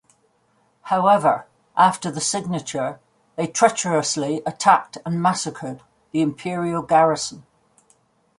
However, after the signature, they treacherously attacked and massacred the imperial garrison.